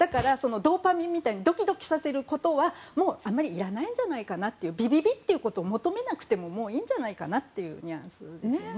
ドーパミンみたいにドキドキさせることはもうあまりいらないんじゃないかビビビッていうことを求めなくてもいいというニュアンスですよね。